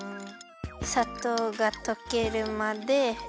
さとうがとけるまで。